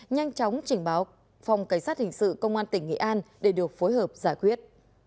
nhanh chóng trình báo phòng cảnh sát hình sự công an tỉnh nghệ an để được phối hợp giải quyết